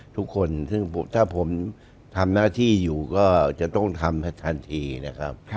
ทุกคนซึ่งถ้าผมทำหน้าที่อยู่ก็จะต้องทำทันทีนะครับ